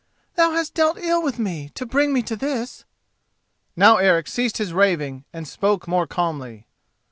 thou hast dealt ill with me to bring me to this." Now Eric ceased his raving, and spoke more calmly.